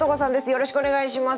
よろしくお願いします。